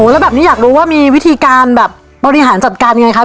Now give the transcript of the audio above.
แล้วแบบนี้อยากรู้ว่ามีวิธีการแบบบริหารจัดการยังไงคะ